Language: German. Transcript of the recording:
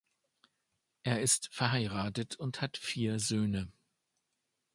Er ist verheiratet und hat vier Söhne.